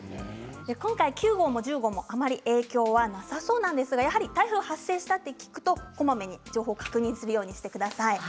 今回、９号も１０号もあまり影響はなさそうですが台風が発生したというとこまめに情報を確認するようにしてください。